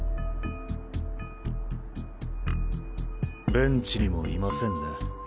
ベンチにもいませんね。